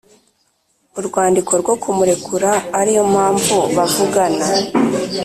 urwandiko rwo kumurekura ariyo mpamvu bavugana.